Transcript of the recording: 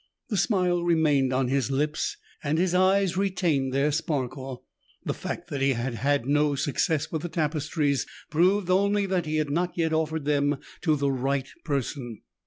The smile remained on his lips and his eyes retained their sparkle. The fact that he had had no success with the tapestries proved only that he had not yet offered them to the right person.